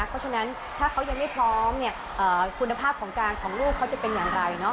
เพราะฉะนั้นถ้าเขายังไม่พร้อมคุณภาพของการของลูกเขาจะเป็นอย่างไร